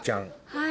はい。